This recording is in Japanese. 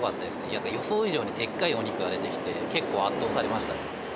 やっぱり予想以上のでっかいお肉が出てきて、結構圧倒されました